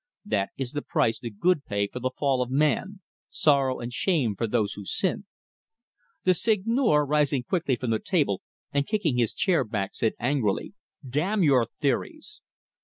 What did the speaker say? That is the price the good pay for the fall of man sorrow and shame for those who sin." The Seigneur, rising quickly from the table, and kicking his chair back, said angrily: "Damn your theories!"